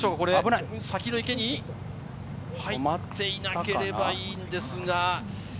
先の池に入っていなければいいのですが。